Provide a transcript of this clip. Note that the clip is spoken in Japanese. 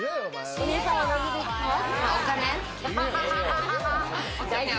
お金。